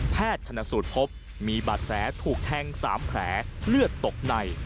แพทย์ธนสุทธพมีบัตรแผลถูกแทงสามแผลเลือดตกใน